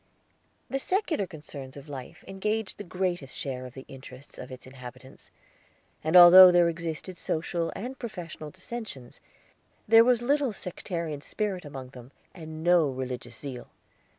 The secular concerns of life engaged the greatest share of the interests of its inhabitants; and although there existed social and professional dissensions, there was little sectarian spirit among them and no religious zeal.